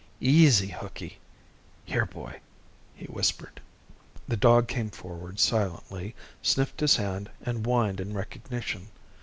"Easy, Hooky, here boy!" he whispered. The dog came forward silently, sniffed his hand, and whined in recognition.